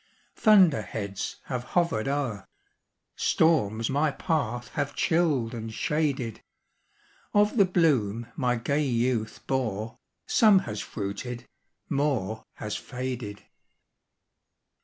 Thunder heads have hovered o'er Storms my path have chilled and shaded; Of the bloom my gay youth bore, Some has fruited more has faded."